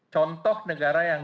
contoh negara yang